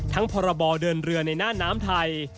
พรบเดินเรือในหน้าน้ำไทย